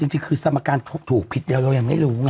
จริงคือสมการถูกผิดเดี๋ยวเรายังไม่รู้ไง